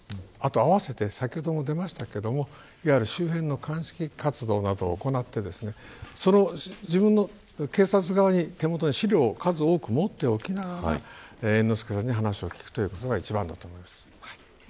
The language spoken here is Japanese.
あわせて先ほども出ましたが周辺の鑑識活動などを行って警察側に資料を数多く持っておきながら猿之助さんに話を聞くということが一番だと思います。